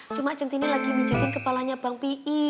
cuma centini lagi minjakin kepalanya bang p i